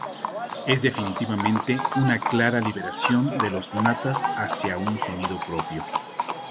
Es definitivamente, una clara liberación de Los Natas hacia un sonido propio.